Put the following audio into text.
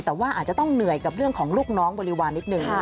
แต่ว่าอาจจะต้องเหนื่อยกับเรื่องของลูกน้องบริวารนิดนึง